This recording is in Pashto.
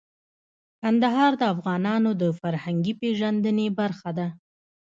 کندهار د افغانانو د فرهنګي پیژندنې برخه ده.